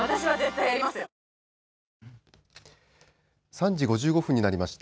３時５５分になりました。